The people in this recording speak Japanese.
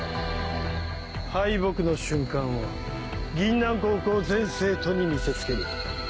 敗北の瞬間を銀杏高校全生徒に見せつける。